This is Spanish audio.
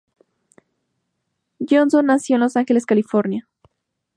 Johnson nació en Los Ángeles, California.